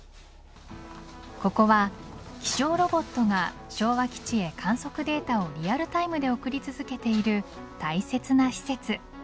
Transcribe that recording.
ここは気象ロボットが昭和基地へ観測データをリアルタイムで送り続けている大切な施設。